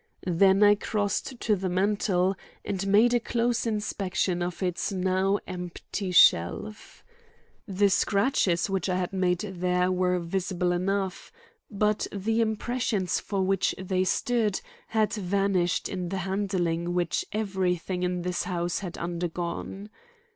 Then I crossed to the mantel and made a close inspection of its now empty shelf. The scratches which I had made there were visible enough, but the impressions for which they stood had vanished in the handling which everything in the house had undergone.